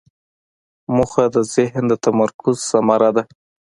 موخه د ذهن د تمرکز ثمره ده.